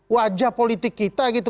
wajah politik kita gitu